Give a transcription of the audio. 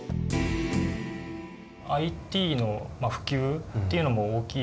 ＩＴの普及っていうのも大きいと思います。